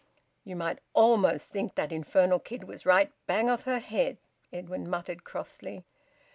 "You might almost think that infernal kid was right bang off her head," Edwin muttered crossly.